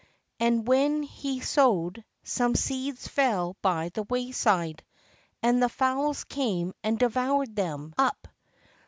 And when he sowed, some seeds fell by the way side, and the fowls came and devoured them up.